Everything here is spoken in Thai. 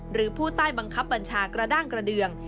หรือผู้ใต้บังคับบัญชากระด้างกระเดือง